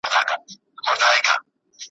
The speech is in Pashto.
چي ميدان ويني مستيږي ,